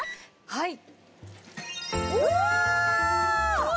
はい。